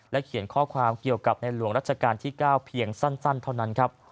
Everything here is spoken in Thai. และเขียนข้อความเกี่ยวกับลวงรัชกาล๙เพียงสั้นเท่านั้น